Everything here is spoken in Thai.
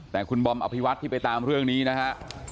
แต่คุณบอมอภิวัตที่ไปตามเรื่องนี้นะฮะ